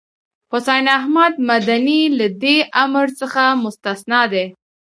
حسين احمد مدني له دې امر څخه مستثنی دی.